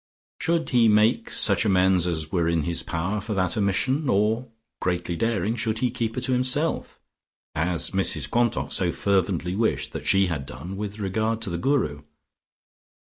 Should he make such amends as were in his power for that omission, or, greatly daring, should he keep her to himself, as Mrs Quantock so fervently wished that she had done with regard to the Guru?